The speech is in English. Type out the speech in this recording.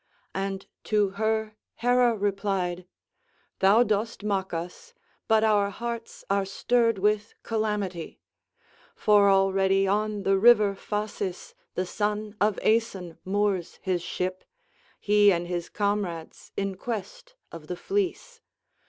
And to her Hera replied: "Thou dost mock us, but our hearts are stirred with calamity. For already on the river Phasis the son of Aeson moors his ship, he and his comrades in quest of the fleece.